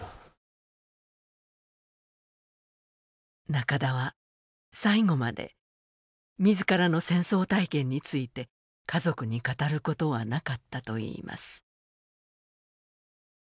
中田は、最期までみずからの戦争体験について家族に語ることはなかったといいます。